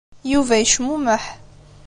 Yuba yecmumeḥ.